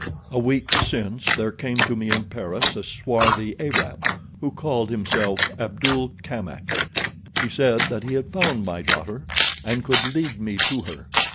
"A week since there came to me in Paris a swarthy Arab, who called himself Abdul Kamak. He said that he had found my daughter and could lead me to her.